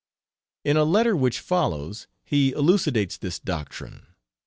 In a letter which follows he elucidates this doctrine.